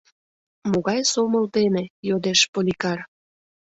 — Могай сомыл дене? — йодеш Поликар.